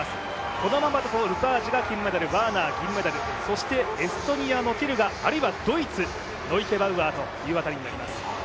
このままでいくとルパージュが金メダル、ワーナー銀メダル、そしてエストニアのティルガ、あるいはドイツという形になります。